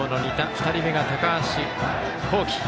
２人目が高橋煌稀。